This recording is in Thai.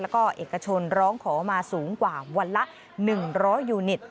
แล้วก็เอกชนร้องขอมาสูงกว่าวันละ๑๐๐ยูนิต